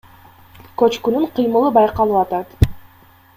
Көчкүнүн кыймылы байкалып атат.